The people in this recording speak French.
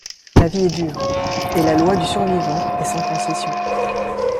La vie est dure, et la loi du survivant est sans concession.